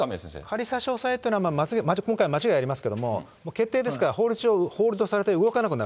仮差し押さえってのは、今回は間違いありますけども、決定ですから、法律上、ホールドさ